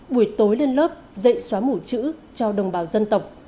buổi tối lên lớp dạy xóa mủ chữ cho đồng bào dân tộc